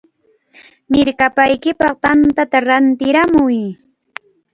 ¡Mirkapaykipaq tantata rantiramuy!